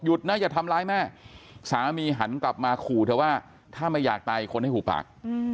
นะอย่าทำร้ายแม่สามีหันกลับมาขู่เธอว่าถ้าไม่อยากตายคนให้หูปาก